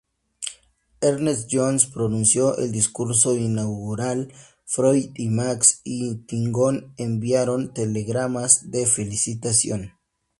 Ernest Jones pronunció el discurso inaugural, Freud y Max Eitingon enviaron telegramas de felicitación.